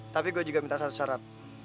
tapi gue juga minta satu syarat